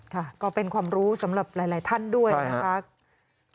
ค่ะก็เป็นความรู้สำหรับหลายท่านด้วยนะคะ